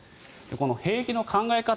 この兵役の考え方